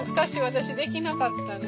私できなかったね。